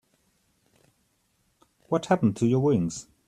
What happened to your wings?